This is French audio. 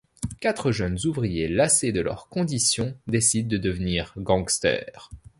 Quatre jeunes ouvriers lassés de leurs conditions décident de devenir gangsters.